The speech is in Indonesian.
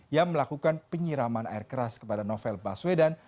yang melakukan penyiraman air keras kepada novel baswedan